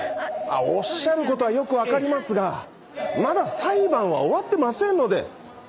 おっしゃることはよく分かりますがまだ裁判は終わってませんので！